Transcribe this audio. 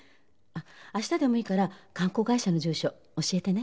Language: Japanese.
明日でもいいから観光会社の住所教えてね。